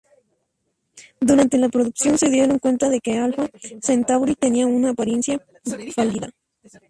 Durante la producción se dieron cuenta de que Alfa Centauri tenía una apariencia fálica.